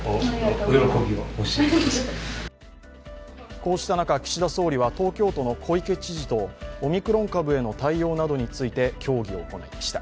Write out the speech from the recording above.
こうした中、岸田総理は東京都の小池知事とオミクロン株への対応などについて協議を行いました。